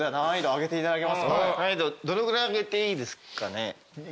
どのぐらい上げていいですかね。